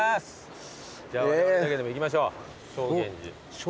じゃあわれわれだけでも行きましょう。